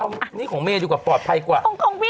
เอานี่ของเมย์ดีกว่าปลอดภัยกว่า